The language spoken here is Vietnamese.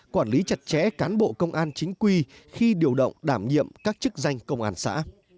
quản lý chặt chẽ cán bộ công an chính quy khi điều động đảm nhiệm các chức danh công an xã